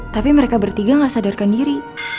tapi mereka bertiga gak sadarkan diri